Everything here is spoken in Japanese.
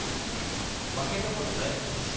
負けたことないんですもんね？